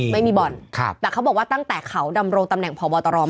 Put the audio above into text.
ไม่มีบ่อนแต่เขาบอกว่าตั้งแต่เขาดำรงตำแหน่งพบตรมา